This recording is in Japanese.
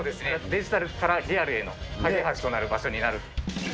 デジタルからリアルへの懸け橋となる場所になる。